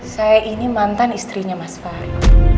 saya ini mantan istrinya mas farid